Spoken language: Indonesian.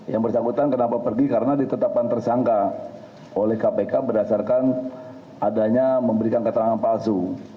yang bersangkutan kenapa pergi karena ditetapkan tersangka oleh kpk berdasarkan adanya memberikan keterangan palsu